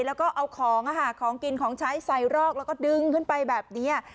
แล้วก็เอาของของกินของใช้ใส่รอกแล้วก็ดึงขึ้นไปแบบนี้